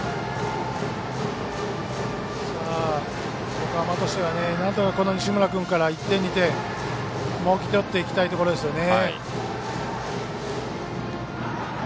横浜としてはなんとか西村君から１点、２点もぎ取っていきたいところですよね。